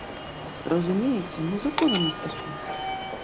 Разумееце, ну закон у нас такі.